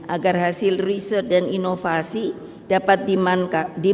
agar hasil riset dan inovasi dapat dimanfaatkan secara terbaik